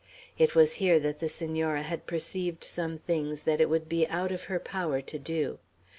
It was here that the Senora had perceived some things that it would be out of her power to do.